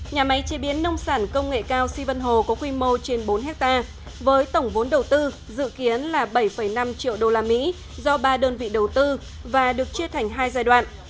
nhà máy chế biến nông sản công nghệ cao si vân hồ có quy mô trên bốn hectare với tổng vốn đầu tư dự kiến là bảy năm triệu usd do ba đơn vị đầu tư và được chia thành hai giai đoạn